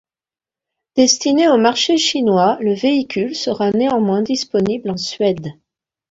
Destiné au marché chinois, le véhicule sera néanmoins disponible en Suède.